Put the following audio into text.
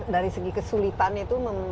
dari segi kesulitan itu